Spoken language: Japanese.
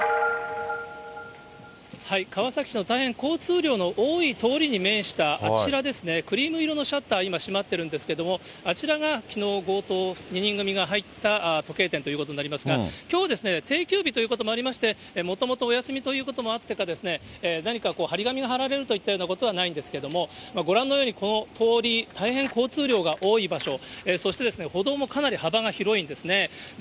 川崎市の大変交通量の多い通りに面したあちらですね、クリーム色のシャッター、今、閉まっているんですけれども、あちらが、きのう強盗、２人組が入った時計店ということになりますが、きょう、定休日ということもありまして、もともとお休みということもあってかですね、何か貼り紙が貼られるといったことはないんですけれども、ご覧のようにこの通り、大変交通量が多い場所、そして、歩道もかなり幅が広いんですね。